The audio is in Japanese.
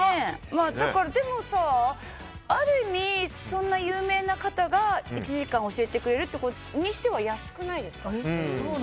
でもある意味そんな有名な方が１時間教えてくれるにしては安くないですか。